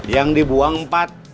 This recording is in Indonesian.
yang dibuang empat